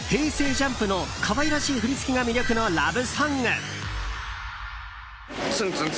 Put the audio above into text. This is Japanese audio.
ＪＵＭＰの可愛らしい振り付けが魅力のラブソング。